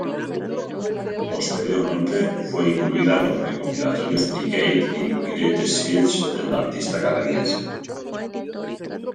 Posteriormente, fue incluida en los recopilatorios "Decade" y "Greatest Hits" del artista canadiense.